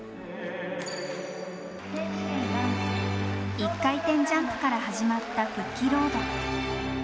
１回転ジャンプから始まった復帰ロード。